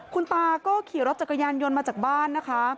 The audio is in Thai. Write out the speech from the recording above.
คุณตาก็ขี่รถจักรยานยนต์มาจากบ้านนะคะ